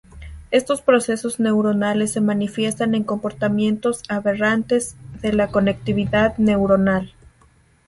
Estos procesos neuronales se manifiestan en comportamientos aberrantes de la conectividad neuronal.